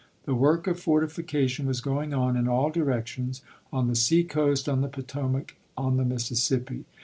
The work of fortification was going on in all directions; on the sea coast, on the Potomac, on the Mississippi.